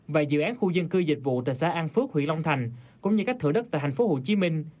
và dự án khu dân cư dịch vụ tại xã an phước huyện long thành cũng như các thửa đất tại tp hcm